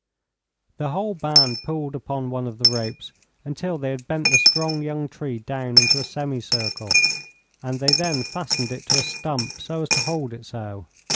The whole band pulled upon one of the ropes until they had bent the strong young tree down into a semi circle, and they then fastened it to a stump, so as to hold it so.